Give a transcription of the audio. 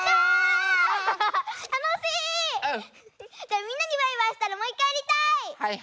じゃあみんなにバイバイしたらもういっかいやりたい！